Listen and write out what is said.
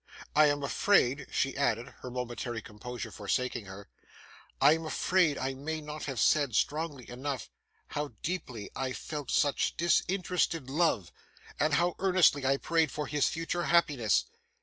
I am afraid,' she added, her momentary composure forsaking her, 'I am afraid I may not have said, strongly enough, how deeply I felt such disinterested love, and how earnestly I prayed for his future happiness.